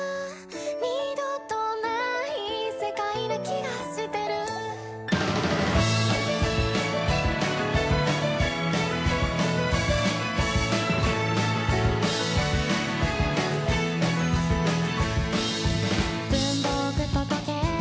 「二度とない世界な気がしてる」「文房具と時計